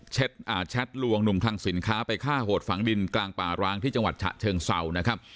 แชทลวงหนุ่มคลังสินค้าไปฆ่าโหดฝังดินกลางป่าร้างที่จังหวัดฉะเชิงเศร้านะครับ